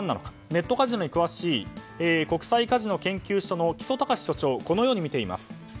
ネットカジノに詳しい国際カジノ研究所の木曽崇所長はこのように見ています。